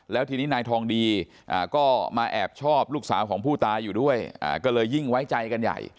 แล้วทีนี้นายทองดีก็มาแอบชอบลูกสาวของผู้ตายอยู่ด้วยก็เลยยิ่งไว้ใจกันใหญ่